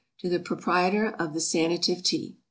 To the Proprietor of the. SANATIVE TEA.